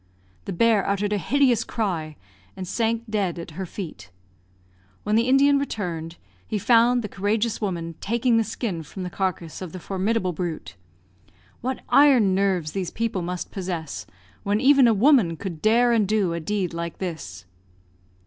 The bear uttered a hideous cry, and sank dead at her feet. When the Indian returned, he found the courageous woman taking the skin from the carcass of the formidable brute. What iron nerves these people must possess, when even a woman could dare and do a deed like this!